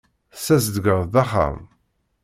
Tessazedgeḍ-d axxam.